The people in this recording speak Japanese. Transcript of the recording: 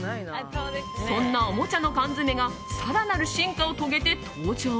そんなおもちゃのカンヅメが更なる進化を遂げて登場。